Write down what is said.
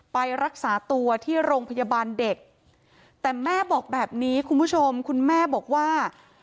ไปรักษาตัวที่โรงพยาบาลเด็กแต่แม่บอกแบบนี้คุณผู้ชมคุณแม่บอกว่า